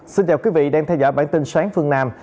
xin chào quý vị đang theo dõi bản tin sáng phương nam